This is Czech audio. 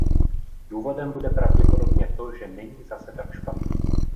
Důvodem bude pravděpodobně to, že není zase tak špatný.